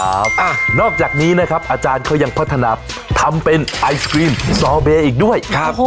อะนอกจากนี้นะครับอาจารย์เขายังพัฒนาทำเป็นไอส์ครีมอีกด้วยครับโอ้โฮ